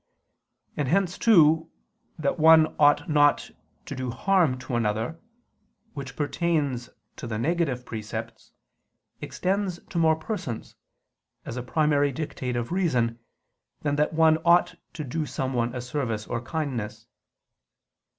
And hence too, that one ought not to do harm to another, which pertains to the negative precepts, extends to more persons, as a primary dictate of reason, than that one ought to do someone a service or kindness.